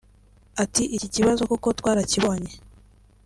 Ati“Iki kibazo koko twarakibonye